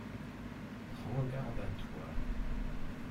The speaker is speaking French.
Prends garde à toi.